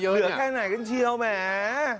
เหลือแค่ไหนกันเชียวแหม